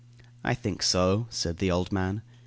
"I think so," said the old man.